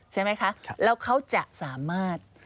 ใช่ไหมคะแล้วเขาจะสามารถ